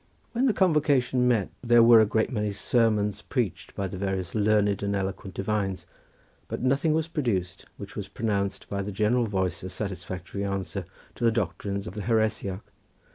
When the convocation met there were a great many sermons preached by various learned and eloquent divines, but nothing was produced which was pronounced by the general voice a satisfactory answer to the doctrines of the heresiarch.